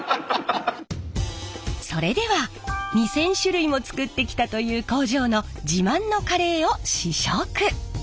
それでは２，０００種類も作ってきたという工場の自慢のカレーを試食。